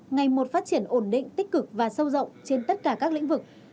ngày một phát triển ổn định tích cực và sâu rộng trên tất cả các lĩnh vực